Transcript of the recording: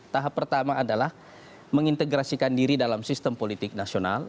tahap pertama adalah mengintegrasikan diri dalam sistem politik nasional